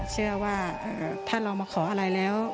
เชื่อว่าถ้าเรามาขออะไรแล้ว